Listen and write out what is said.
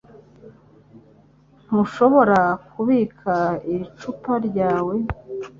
Ntushobora kubika iri icupa ryawe